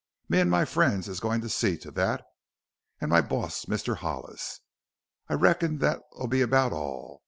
Me an' my friends is goin' to see to that, an' my boss, Mr. Hollis. I reckon that'll be about all.